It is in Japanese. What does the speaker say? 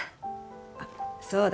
あっそうだ。